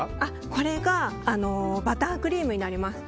これがバタークリームになります。